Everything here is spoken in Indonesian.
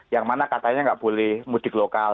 yang mana katanya nggak boleh mudik lokal